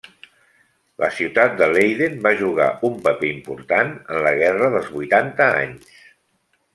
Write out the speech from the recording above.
La ciutat de Leiden va jugar un paper important en la Guerra dels Vuitanta Anys.